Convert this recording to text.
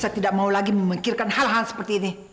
saya tidak mau lagi memikirkan hal hal seperti ini